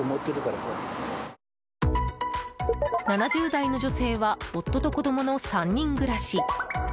７０代の女性は夫と子供の３人暮らし。